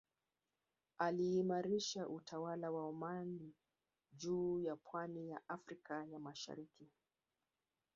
Aliimarisha utawala wa Omani juu ya pwani ya Afrika ya Mashariki